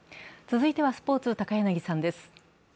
続いてはスポーツ高柳さんです。